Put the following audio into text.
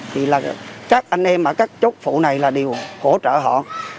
thì là các anh em ở các chốt phụ này là đều hỗ trợ họ